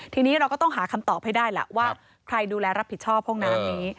ทีนี้เราก็ต้องหาคำตอบให้ได้ล่ะว่าใครดูแลรับผิดชอบห้องน้ำนี้